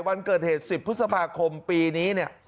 วันเกิดเหตุ๑๐พฤษภาคมปีนี้เนี่ย